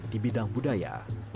di bidang budaya